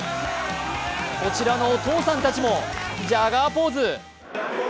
こちらのお父さんたちもジャガーポーズ。